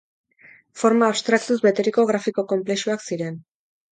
Forma abstraktuz beteriko grafiko konplexuak ziren.